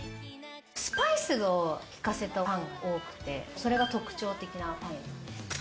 スパイスを効かせたパンが多くて、それが特徴的なパン屋さんです。